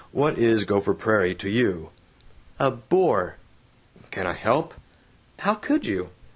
What is Gopher Prairie to you?" "A bore!" "Can I help?" "How could you?"